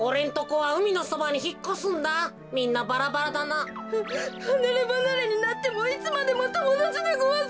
はなればなれになってもいつまでもともだちでごわす。